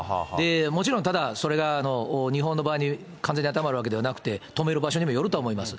もちろんただ、それが日本の場合に完全に当てはまるわけではなくて、止める場所にもよるとは思います。